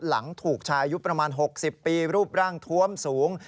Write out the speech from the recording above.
หลังถูกชายอายุประมาณ๖๐ปีรูปร่างทวมสูง